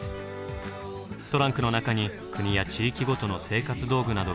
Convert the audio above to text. トランクの中に国や地域ごとの生活道具などが詰まっています。